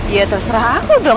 ya terserah aku dong